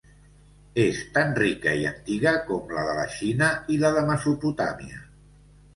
És tan rica i antiga com la de la Xina i la de Mesopotàmia.